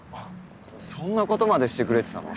そんなことまでしてくれてたの？